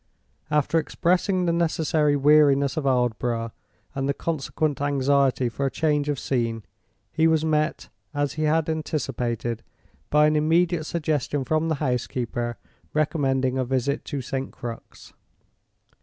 After expressing the necessary weariness of Aldborough, and the consequent anxiety for change of scene, he was met (as he had anticipated) by an immediate suggestion from the housekeeper, recommending a visit to St. Crux.